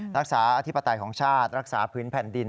รักษาอธิปไตยของชาติรักษาพื้นแผ่นดิน